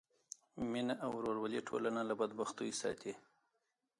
مینه او ورورولي ټولنه له بدبختیو ساتي.